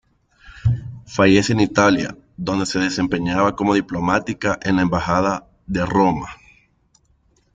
Fallece en Italia, donde se desempeñaba como diplomática en la embajada de Roma.